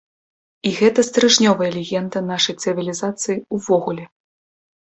І гэта стрыжнёвая легенда нашай цывілізацыі ўвогуле.